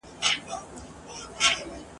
د زړه آواز دی څوک به یې واوري؟ !.